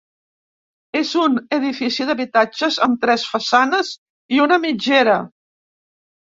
És un edifici d'habitatges amb tres façanes i una mitgera.